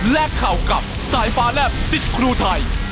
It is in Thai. แลกเข่ากลับสายฟ้าแล่บซิดครูไทย